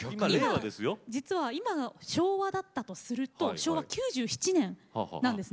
今が昭和だったとすると９７年なんです。